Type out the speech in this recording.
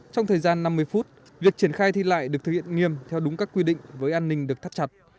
trong thời gian năm mươi phút việc triển khai thi lại được thực hiện nghiêm theo đúng các quy định với an ninh được thắt chặt